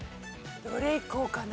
どれいこうかな？